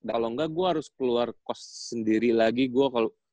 kalo ga gua harus keluar kos sendiri lagi gua kalo